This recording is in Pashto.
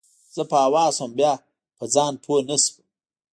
زه په هوا سوم او بيا پر ځان پوه نه سوم.